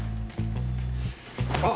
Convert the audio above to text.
あっ！